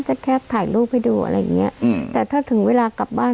จะแค่ถ่ายรูปให้ดูอะไรอย่างเงี้ยอืมแต่ถ้าถึงเวลากลับบ้าน